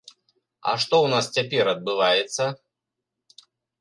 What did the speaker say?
А што ў нас цяпер адбываецца?